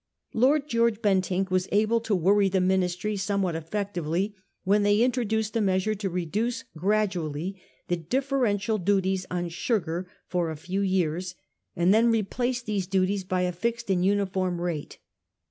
Lord George Bentinck was able to worry the Ministry somewhat effectively when they introduced a measure to reduce gradually the differential duties on sugar for a few years, and then replace these duties by a fixed and uniform rate.